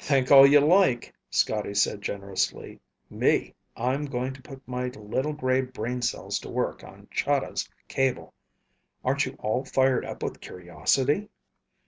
"Think all you like," Scotty said generously. "Me, I'm going to put my little gray brain cells to work on Chahda's cable. Aren't you all fired up with curiosity?"